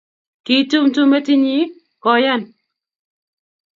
kitumtum metit nyi koyan